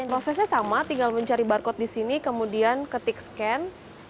prosesnya sama tinggal mencari barcode di sini kemudian ketik scan